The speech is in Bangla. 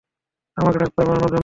আমাকে ডাক্তার বানানোর জন্য।